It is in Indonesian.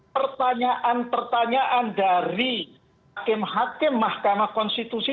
pertanyaan pertanyaan dari hakim hakim mahkamah konstitusi